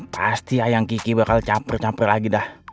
pasti ayam kiki bakal campur campur lagi dah